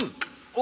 お。